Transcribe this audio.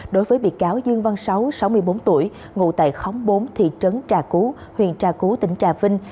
đối với bị cáo dương văn sáu sáu mươi bốn tuổi ngụ tại khóng bốn thị trấn trà cú huyện trà cú tỉnh trà vinh